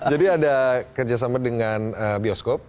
jadi ada kerjasama dengan bioskop